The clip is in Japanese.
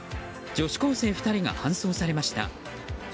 女子高生２人が搬送されました。